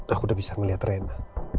aku udah bisa ngeliat rena